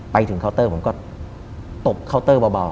เคาน์เตอร์ผมก็ตบเคาน์เตอร์เบา